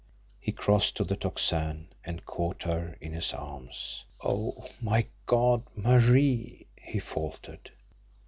He crossed to the Tocsin and caught her in his arms. "Oh, my God Marie!" he faltered.